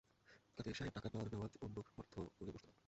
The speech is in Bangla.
কাদের সাহেব টাকা না নেয়ার অন্য অর্থ করে বসতে পারেন!